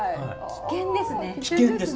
危険です！